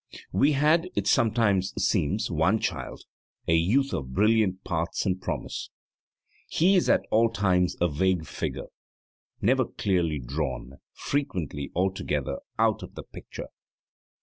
We had, it sometimes seems, one child, a youth of brilliant parts and promise. He is at all times a vague figure, never clearly drawn, frequently altogether out of the picture.